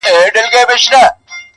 په تقوا به وي مشهور په ولایت کي -